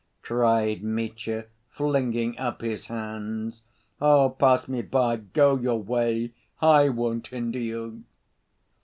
cried Mitya, flinging up his hands. "Oh, pass me by, go your way, I won't hinder you!..."